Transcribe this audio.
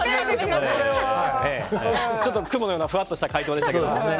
ちょっと雲のようなふわっとした回答でしたけども。